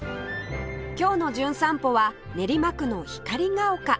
今日の『じゅん散歩』は練馬区の光が丘